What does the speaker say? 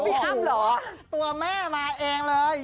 พี่อ้ำเหรอตัวแม่มาเองเลย